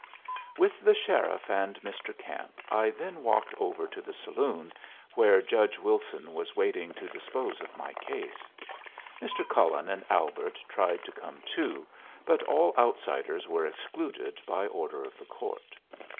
With the sheriff and Mr. Camp I then walked over to the saloon, where Judge Wilson was waiting to dispose of my case. Mr. Cullen and Albert tried to come too, but all outsiders were excluded by order of the "court."